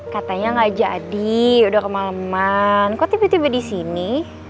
katanya nggak jadi udah kemaleman kok tipe tipe di sini